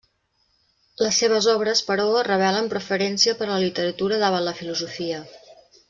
Les seves obres, però revelen preferència per la literatura davant la filosofia.